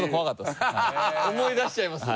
思い出しちゃいます？